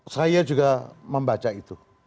saya juga membaca itu